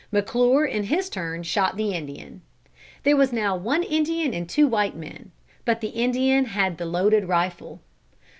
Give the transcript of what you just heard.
McClure in his turn shot the Indian. There was now one Indian and two white men. But the Indian had the loaded rifle.